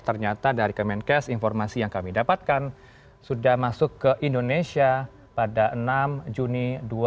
ternyata dari kemenkes informasi yang kami dapatkan sudah masuk ke indonesia pada enam juni dua ribu dua puluh